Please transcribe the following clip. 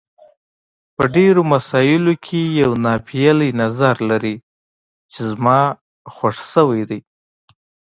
په ډېرو مسایلو کې یو ناپېیلی نظر لري چې زما خوښ شوی دی.